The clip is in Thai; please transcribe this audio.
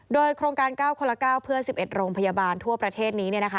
โดยโครงการ๙คนละ๙เพื่อ๑๑โรงพยาบาลทั่วประเทศนี้